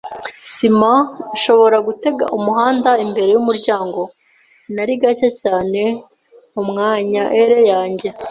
sima, nshobora gutegeka umuhanda imbere yumuryango. Nari gake cyane mumwanya ere yanjye